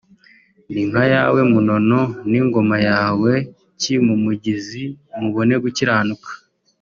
n’inka yawe Munono n’ingoma yawe Cyimumugizi mubone gukiranuka